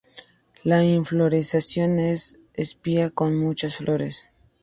La inflorescencia es una espiga con muchas flores.